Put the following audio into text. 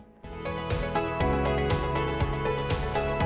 ini memang satu satunya